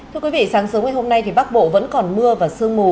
thưa quý vị sáng sớm ngày hôm nay thì bắc bộ vẫn còn mưa và sương mù